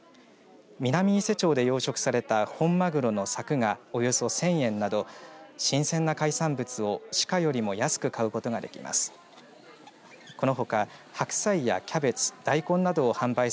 南伊勢町で養殖された本マグロのさくがおよそ１０００円など新鮮な海産物を市価よりも安く買うことができます。